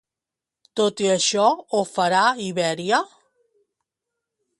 Tot i això, ho farà Ibèria?